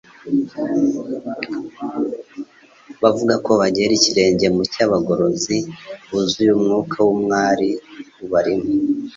Abavuga ko bagera ikirenge mu cy'abagorozi, buzuye umwuka nk'uwari ubarimo,